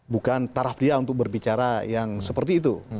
bukan taraf dia untuk berbicara yang seperti itu